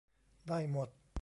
ได้หมด